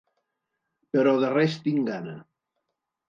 Però de res tinc gana.